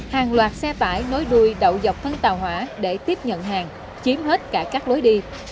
hàng loạt xe tải nối đuôi đậu dọc tàu hỏa để tiếp nhận hàng chiếm hết cả các lối đi